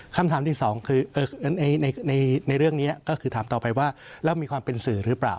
คำถามที่สองคือในเรื่องนี้ก็คือถามต่อไปว่าแล้วมีความเป็นสื่อหรือเปล่า